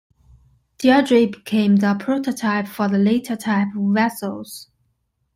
"Deirdre" became the prototype for the later -type vessels.